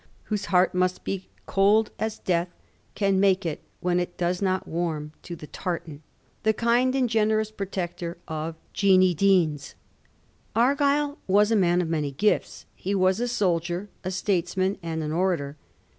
whose heart must ^be cold as death can make it when it does not warm to the tartan '— ^the kind and generous protector of Jeanie Deans. Argyll was a man of many gifts. He was a soldier, a statesman^ and an orator.